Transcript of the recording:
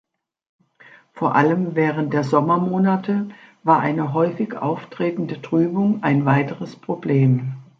Vor allem während der Sommermonate war eine häufig auftretende Trübung ein weiteres Problem.